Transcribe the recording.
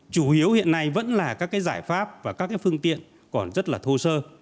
chủ yếu hiện nay vẫn là các giải pháp và các phương tiện còn rất là thô sơ